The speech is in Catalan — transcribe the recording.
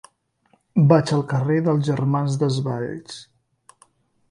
Vaig al carrer dels Germans Desvalls.